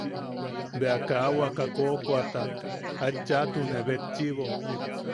Bea kaa waka koʼokoata aet chaʼatune betchiʼibo.